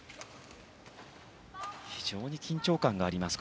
非常に緊張感があります